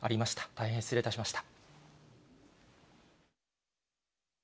大変失礼いたしました。